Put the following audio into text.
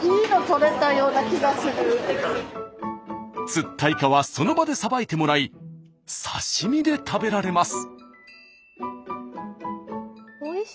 釣ったイカはその場でさばいてもらい刺身で食べられます。